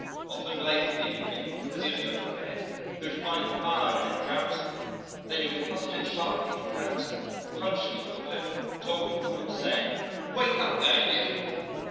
Often late in the evening as he was going to bed he would find the fire in it drowsing; then he would hustle it sharply to arouse it, punching it with the poker, talking to it, saying: "Wake up there, you!"